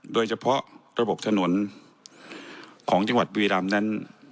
โดยเฉพาะระบบถนนของจังหวัดบุรีรำนั้น